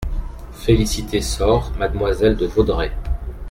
Félicité sort MADEMOISELLE DE VAUDREY.